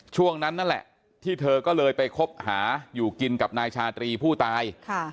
ช่วงนั้นนั่นแหละที่เธอก็เลยไปคบหาอยู่กินกับนายชาตรีผู้ตาย